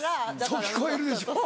そう聞こえるでしょ？